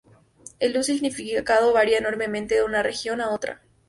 El uso y significado varia enormemente de una región a otra.